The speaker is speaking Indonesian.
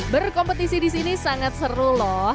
berkompetisi disini sangat seru loh